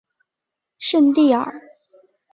圣蒂尔。